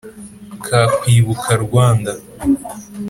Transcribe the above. kakwibuka rwanda